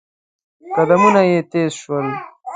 قدمونه يې تېز شول.